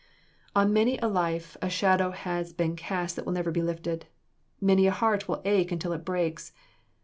On many a life a shadow has been cast that will never be lifted. Many a heart will ache until it breaks.